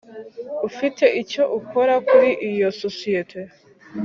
Ufite icyo ukora kuri iyo sosiyete